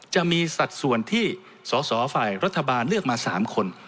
จะมีสัดส่วนที่สศฝ่ายรัฐบาลเลือกมาสามคน